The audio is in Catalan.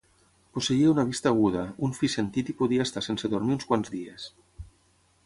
Posseïa una vista aguda, un fi sentit i podia estar sense dormir uns quants dies.